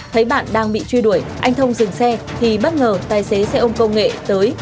thấy bạn đang bị truy đuổi anh thông dừng xe thì bất ngờ tài xế xe ôm công nghệ tới